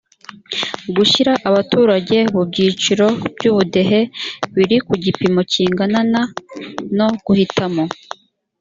gushyira abaturage bu byiciro by’ubudehe biri ku gipimo kingana na… no guhitamo